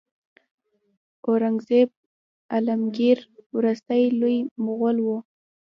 اورنګزیب عالمګیر وروستی لوی مغول و.